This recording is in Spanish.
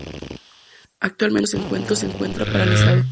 Actualmente el proyecto se encuentra paralizado.